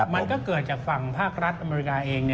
มันก็เกิดจากฝั่งภาครัฐอเมริกาเอง